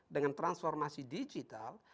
dengan transformasi digital